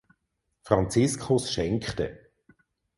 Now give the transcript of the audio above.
Franziskus schenkte.